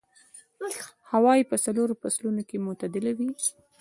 هوا يې په څلورو فصلونو کې معتدله وي.